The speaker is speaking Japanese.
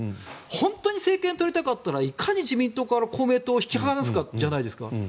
本当に政権をとりたかったらいかに自民党から公明党を引き離すかじゃないですか。